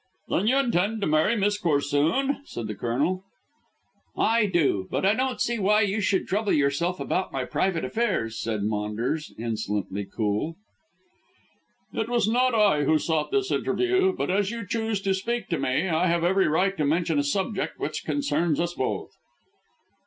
"Then you intend to marry Miss Corsoon?" said the Colonel. "I do. But I don't see why you should trouble yourself about my private affairs," said Maunders, insolently cool. "It was not I who sought this interview. But as you chose to speak to me I have every right to mention a subject which concerns us both."